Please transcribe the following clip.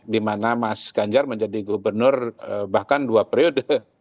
dimana mas ganjar menjadi gubernur bahkan dua periode